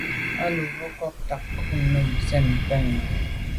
A lo mbe nkôg tàa ko’ num sen ten nà.